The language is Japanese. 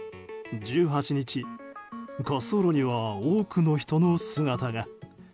１８日、滑走路には多くの人の姿が。